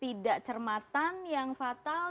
tidak cermatan yang fatal